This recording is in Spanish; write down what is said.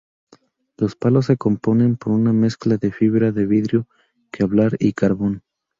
Los palos se componen por una mezcla de fibra de vidrio, kevlar, y carbón.